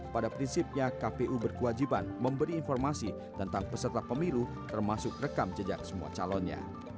pada prinsipnya kpu berkewajiban memberi informasi tentang peserta pemilu termasuk rekam jejak semua calonnya